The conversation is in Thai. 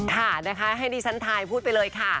ค่ะนะคะให้ดิฉันทายพูดไปเลยค่ะ